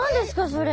それ。